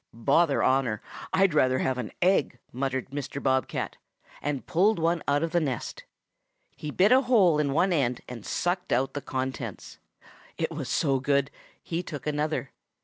"'Bother honor. I'd rather have an egg,' muttered Mr. Bob cat, and pulled one out of the nest. He bit a hole in one end and sucked out the contents. It was so good he took another.